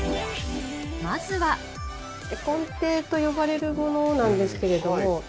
まずはと呼ばれるものなんですけれども。